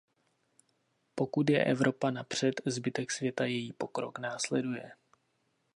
Pokud je Evropa napřed, zbytek světa její pokrok následuje.